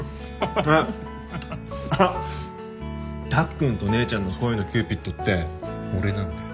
たっくんと姉ちゃんの恋のキューピッドって俺なんだよ。